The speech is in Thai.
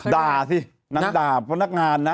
ด่าสิน้ำด่าเพราะนักงานนะ